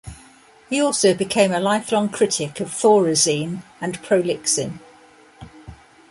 He also became a lifelong critic of thorazine and prolyxin.